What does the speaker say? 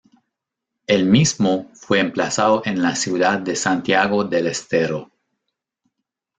El mismo fue emplazado en la ciudad de Santiago del Estero.